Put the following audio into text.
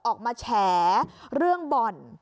ออกมาแฉเรื่องบ่อน